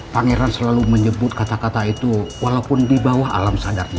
pangeran selalu menyebut kata kata itu walaupun di bawah alam sadarnya